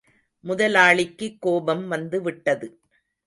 முதலாளிக்குக் கோபம் வந்துவிட்டது.